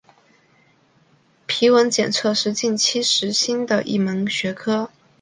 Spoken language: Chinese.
皮纹检测是近期时兴的一门学科。